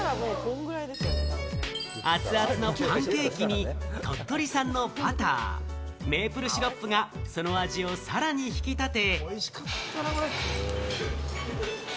熱々のパンケーキに鳥取産のバター、メープルシロップがその味をさらに引き立て。